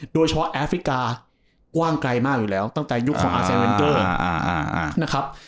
โดยเฉพาะแอฟกากว้างไกลมากอยู่แล้วตั้งแต่ตะนายุคของอาร์เซเวนต์เกิล